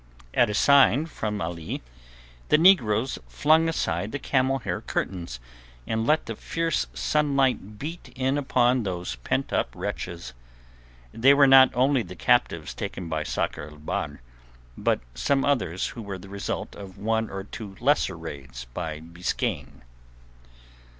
At a sign from Ali, the negroes flung aside the camel hair curtains and let the fierce sunlight beat in upon those pent up wretches; they were not only the captives taken by Sakr el Bahr, but some others who were the result of one or two lesser raids by Biskaine.